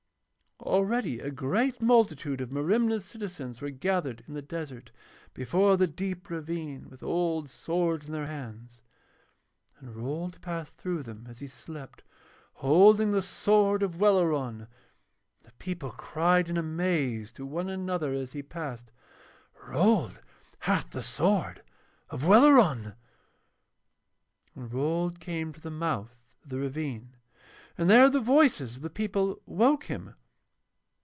Already a great multitude of Merimna's citizens were gathered in the desert before the deep ravine with old swords in their hands, and Rold passed through them as he slept holding the sword of Welleran, and the people cried in amaze to one another as he passed: 'Rold hath the sword of Welleran!' And Rold came to the mouth of the ravine, and there the voices of the people woke him.